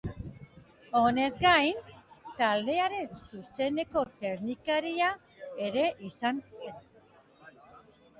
Honez gain, taldearen zuzeneko teknikaria ere izan zen.